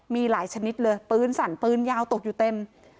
มีหลายชนิดเลยปืนสั่นปืนยาวตกอยู่เต็ม